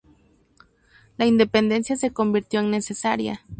La independencia se convirtió en necesaria.